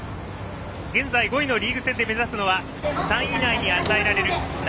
現在、５位のリーグ戦で目指すのは３位以内に与えられる来